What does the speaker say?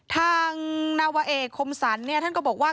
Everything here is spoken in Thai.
ทางนาวาเอคมสันเนี่ยท่านก็บอกว่า